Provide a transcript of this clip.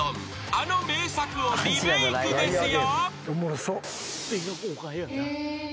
［あの名作をリメークですよ］